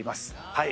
はい。